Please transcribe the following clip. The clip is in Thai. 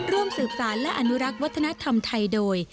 ร่วมสืบสารและอนุรักษ์วัฒนธรรมไทยโดย